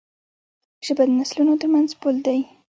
ژبه د نسلونو ترمنځ پُل دی.